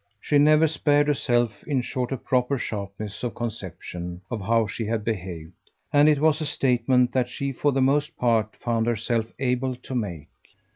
She never spared herself in short a proper sharpness of conception of how she had behaved, and it was a statement that she for the most part found herself able to make.